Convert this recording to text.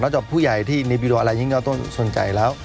นอกจากผู้ใหญ่อะไรยังยังต้องสนใจแล้ว